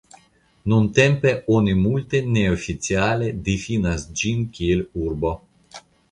Nuntempe oni multe neoficiale difinas ĝin kiel urbo.